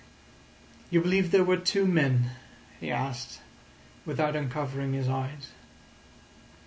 "You believe there were two men?" he asked, without uncovering his eyes.